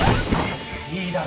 いいだろ？